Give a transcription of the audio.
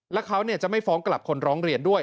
แล้วเขาจะไม่ฟ้องกลับคนร้องเรียนด้วย